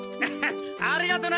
ありがとな！